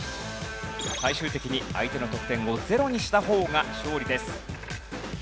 最終的に相手の得点を０にした方が勝利です。